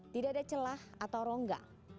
tidak ada celah atau rongga